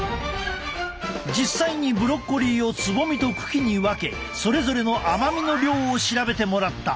実際にブロッコリーをつぼみと茎に分けそれぞれの甘みの量を調べてもらった。